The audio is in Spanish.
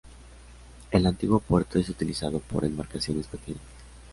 El antiguo puerto es utilizado por embarcaciones pequeñas.